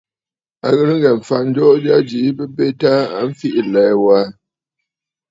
À ghɨ̀rə ŋghɛ̀ɛ̀ m̀fa ǹjoo jya jìi bɨ betə aa, a mfiʼi ɨlɛ̀ɛ̂ waa.